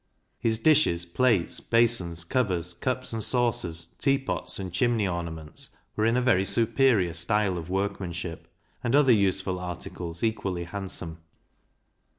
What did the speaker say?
His dishes, plates, basons, covers, cups and saucers, teapots, and chimney ornaments, were in a very superior style of workmanship; and other useful articles equally handsome.